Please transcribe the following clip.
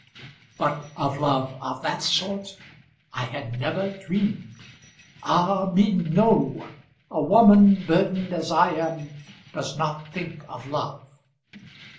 But of love of that sort I had never dreamed. Ah me, no! a woman burdened as I am does not think of love.